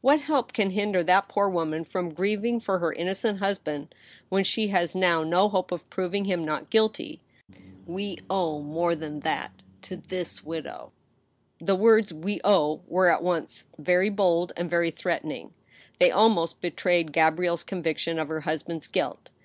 What help can hinder that poor woman from grieving for her innocent husband, when she has now no hope of proving him not guilty ? We owe more than that to this widow." The words, " we owe," were at once very bold and very threat ening. They almost betrayed Gabrielle's conviction of her husband's guilt.